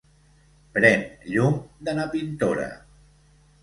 Pren llum de na Pintora.